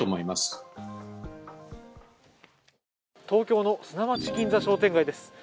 東京の砂町銀座商店街です。